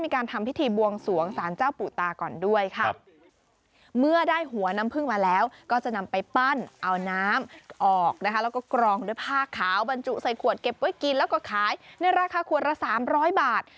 กินแล้วก็ขายในราคาขวดละ๓๐๐บาท